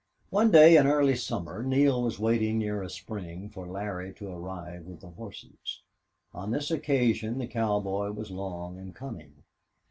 One day in early summer Neale was waiting near a spring for Larry to arrive with the horses. On this occasion the cowboy was long in coming.